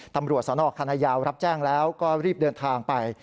ตำรวจสนคณะยาวรับแจ้งแล้วก็รีบเดินทางไป